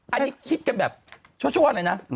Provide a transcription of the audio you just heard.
อันนี้คิดกันแบบชั่วเลยนะ